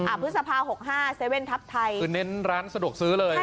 อ่าพฤษภา๖๕๗ทัพไทยคือเน้นร้านสะดวกซื้อเลย